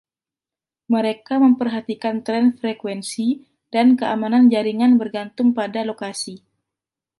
Mereka memperhatikan tren frekuensi dan keamanan jaringan bergantung pada lokasi.